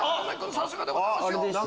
さすがでございますよ。